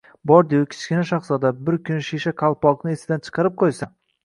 Bordi-yu, Kichkina shahzoda bir kuni shisha qalpoqni esidan chiqarib qo‘ysa